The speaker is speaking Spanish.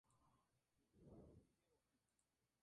El calor fundió tres de las campanas del campanario.